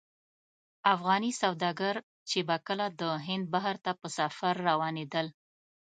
افغاني سوداګر چې به کله د هند بحر ته په سفر روانېدل.